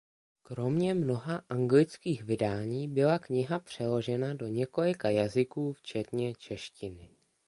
Kromě mnoha anglických vydání byla kniha přeložena do několika jazyků včetně češtiny.